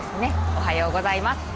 おはようございます。